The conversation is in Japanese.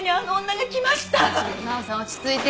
奈緒さん落ち着いて。